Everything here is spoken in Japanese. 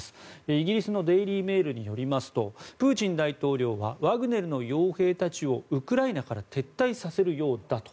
イギリスのデイリー・メールによりますとプーチン大統領はワグネルの傭兵たちをウクライナから撤退させるようだと。